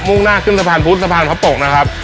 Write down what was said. ่งหน้าขึ้นสะพานพุทธสะพานพระปกนะครับ